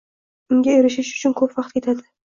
Unga erishish uchun ko’p vaqt ketadi.